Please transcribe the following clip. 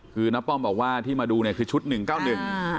คือน้าป้อมบอกว่าที่มาดูเนี่ยคือชุดหนึ่งเก้าหนึ่ง